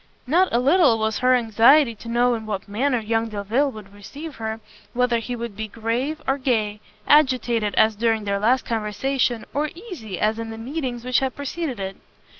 Not a little was her anxiety to know in what manner young Delvile would receive her, whether he would be grave or gay, agitated, as during their last conversation, or easy, as in the meetings which had preceded it.